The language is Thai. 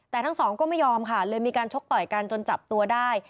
แต่ทั้งสองก็ไม่ยอมค่ะเลยมีการชกต่อยกันจนจับตัวได้